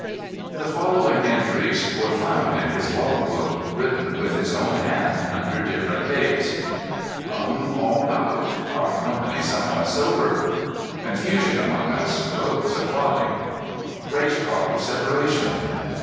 The following entries were found in his logbook, written with his own hand, under different dates: "Rum all out; our company somewhat sober. "Confusion among us; rogues a plotting. "Great talk of separation.